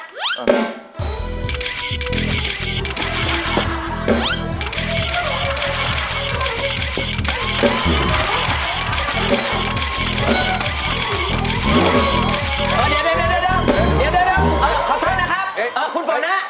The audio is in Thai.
เดี๋ยวขอโทษนะครับคุณฝนนะ